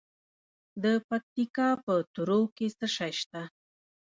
د پکتیکا په تروو کې څه شی شته؟